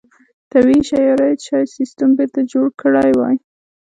طبیعي شرایط شاید سیستم بېرته جوړ کړی وای.